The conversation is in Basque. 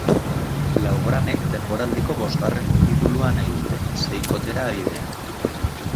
Blaugranek denboraldiko bosgarren titulua nahi dute, seikotera bidean.